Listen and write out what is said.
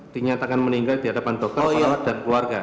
dinyatakan meninggal dihadapan dokter perawat dan keluarga